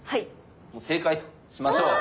正解としましょう！